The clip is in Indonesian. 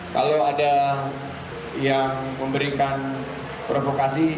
kalau ada yang memberikan provokasi